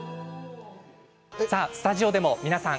スタジオでも皆さん